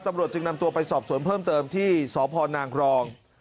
ตำรวจจึงนำตัวไปสอบสวนเพิ่มเติมที่สพนางรอง